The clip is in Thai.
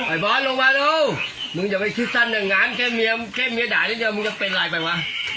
ไอ้บอลลงมาดูนุ้งจะไปคิดสั้นอย่างงานแค่เมียด่ายนิดเดียวมึงจะเป็นไรไปวะ